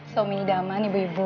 suaminya daman ibu ibu